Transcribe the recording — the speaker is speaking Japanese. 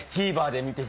ＴＶｅｒで見て。